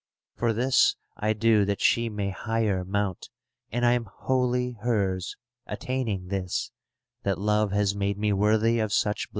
For this I do that she may higher mount; And I am wholly hers, attaining this, That Love has made me worthy of such bliss.